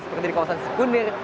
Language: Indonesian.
seperti di kawasan sekunir